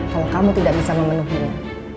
kalau kamu tidak bisa memenuhinya